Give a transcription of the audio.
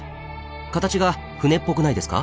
形が船っぽくないですか？